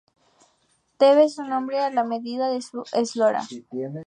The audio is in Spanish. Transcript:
Debe su nombre a las medidas de su eslora.